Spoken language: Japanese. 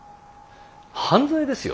犯罪ですよ